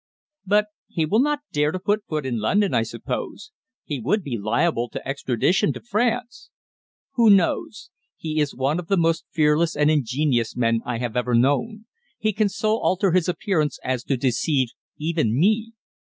"But he will not dare to put foot in London, I suppose. He would be liable to extradition to France." "Who knows? He is one of the most fearless and ingenious men I have ever known. He can so alter his appearance as to deceive even me."